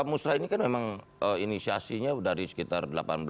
musrah ini kan memang inisiasinya dari sekitar delapan belas